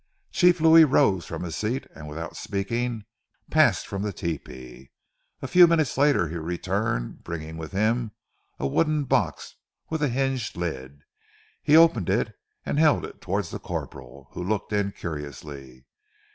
Chief Louis rose from his seat and without speaking passed from the tepee. After a few minutes he returned bringing with him a wooden box with a hinged lid. He opened it, and held it towards the corporal, who looked in curiously.